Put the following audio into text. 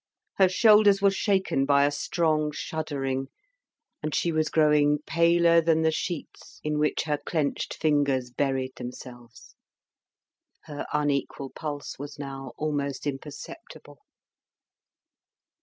Her shoulders were shaken by a strong shuddering, and she was growing paler than the sheets in which her clenched fingers buried themselves. Her unequal pulse was now almost imperceptible.